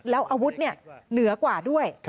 แล้วอาวุธเหนือกว่าด้วย